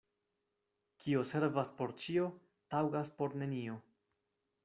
Kio servas por ĉio, taŭgas por nenio.